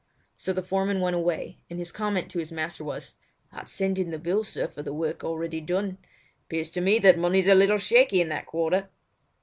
So the foreman went away, and his comment to his master was: "I'd send in the bill, sir, for the work already done. "Pears to me that money's a little shaky in that quarter."